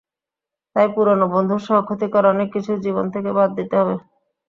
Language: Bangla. তাই পুরোনো বন্ধুসহ ক্ষতিকর অনেক কিছুই জীবন থেকে বাদ দিতে হবে।